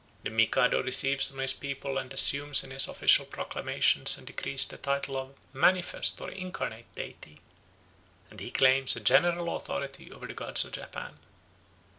The Mikado receives from his people and assumes in his official proclamations and decrees the title of "manifest or incarnate deity," and he claims a general authority over the gods of Japan.